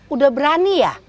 udah berani ya